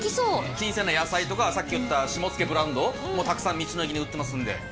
新鮮な野菜とかさっき言った下野ブランドもたくさん道の駅に売ってますんで。